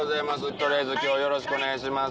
取りあえず今日よろしくお願いします。